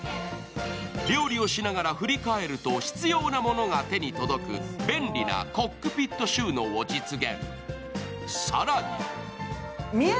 料理をしながら振り返ると、必要なものが手に届く便利なコックピット収納を実現。